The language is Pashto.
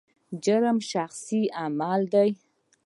جرم شخصي عمل دی.